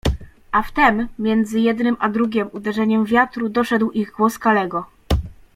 A wtem, między jednym a drugiem uderzeniem wiatru, doszedł ich głos Kalego.